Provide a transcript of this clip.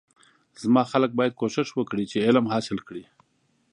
زما خلک باید کوشش وکړی چی علم حاصل کړی